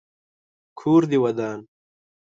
کور دي ودان .